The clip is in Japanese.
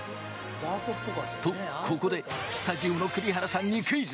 と、ここでスタジオの栗原さんにクイズ！